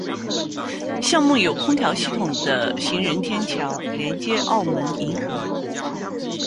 项目有空调系统的行人天桥连接澳门银河。